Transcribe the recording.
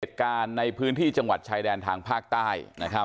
เหตุการณ์ในพื้นที่จังหวัดชายแดนทางภาคใต้